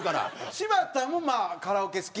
柴田もまあカラオケ好き？